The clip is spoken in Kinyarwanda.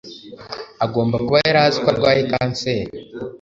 Agomba kuba yari azi ko arwaye kanseri.